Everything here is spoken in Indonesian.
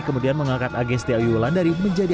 kemudian mengangkat agesti ayu wulandari menjadi